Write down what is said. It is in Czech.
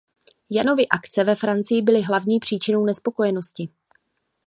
Janovy akce ve Francii byly hlavní příčinou nespokojenosti.